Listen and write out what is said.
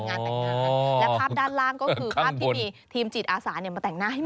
และภาพด้านล่างก็คือภาพที่มีทีมจิตอาสามาแต่งหน้าให้ใหม่